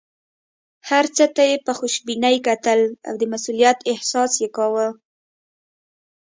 هر څه ته یې په خوشبینۍ کتل او د مسوولیت احساس یې کاوه.